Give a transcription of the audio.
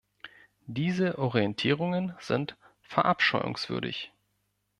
Diese Orientierungen sind verabscheuungswürdig.